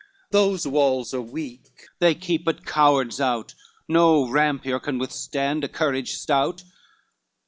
Those walls are weak, they keep but cowards out No rampier can withstand a courage stout.